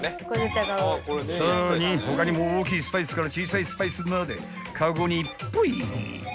［さらに他にも大きいスパイスから小さいスパイスまでカゴにポイ］